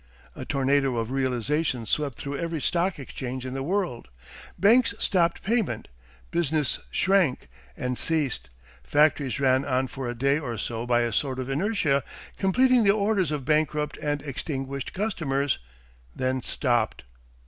A tornado of realisation swept through every stock exchange in the world; banks stopped payment, business shrank and ceased, factories ran on for a day or so by a sort of inertia, completing the orders of bankrupt and extinguished customers, then stopped.